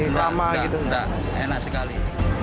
nggak enak sekali